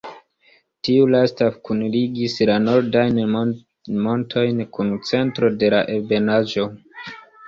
Tiu lasta kunligis la nordajn montojn kun centro de la ebenaĵo.